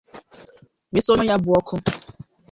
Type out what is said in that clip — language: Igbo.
wee sọnyụọ ya bụ ọkụ.